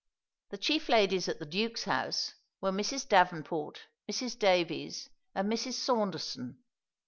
The chief ladies at the Duke's House were Mrs. Davenport, Mrs. Davies, and Mrs. Saunderson.